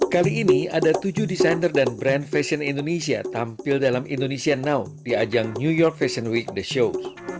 kali ini ada tujuh desainer dan brand fashion indonesia tampil dalam indonesia now di ajang new york fashion week the show